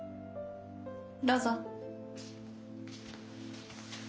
どうぞ。